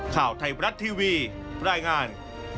ข่าวไทยบรัฐทีวีรายงาน